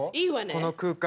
この空間。